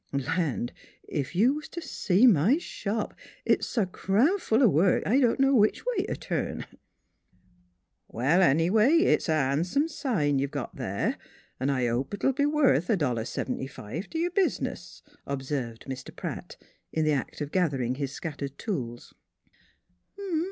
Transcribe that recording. Land ! ef you was t' see my shop ; it's s' cram full o' work I don' know which way t' turn !"" Wall, anyway, it's a han'some sign you got there, an' I hope 't will be worth a dollar seventy fi' t' your business," observed Mr. Pratt, in the act of gathering his scattered tools.